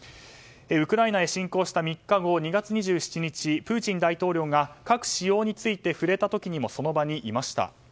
ウクライナへ侵攻した３日後２月２７日、プーチン大統領が核使用について触れた時にもその場にいました。